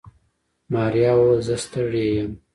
ماريا وويل زه ستړې يم.